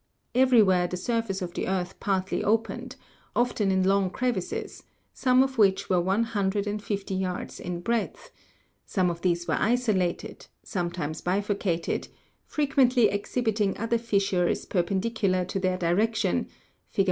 Every where the surface of the earth partly opened, often in long crevices, some of which were one hundred and fifty yards in breadth ; some of these were isolated, sometimes bifurcated frequently exhibiting other fissures perpendicular to their direction (Jig.